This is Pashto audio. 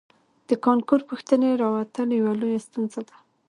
د کانکور پوښتنې راوتل یوه لویه ستونزه ده